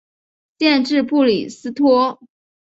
县治布里斯托。